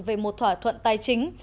về một thỏa thuận tài chính